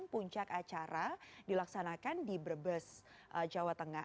puncak acara dilaksanakan di brebes jawa tengah